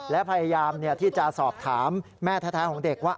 และพยายามที่จะสอบถามแม่แท้ของเด็กว่า